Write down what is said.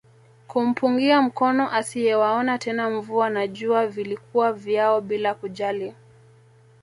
Kumpungia mkono asiyewaona tena mvua na jua vilikuwa vyao bila kujali